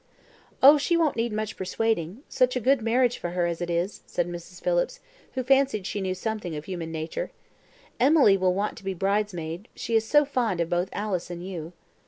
"Oh, she won't need much persuading, such a good marriage for her as it is," said Mrs. Phillips, who fancied she knew something of human nature. "Emily will want to be bridesmaid, she is so fond of both Alice and you."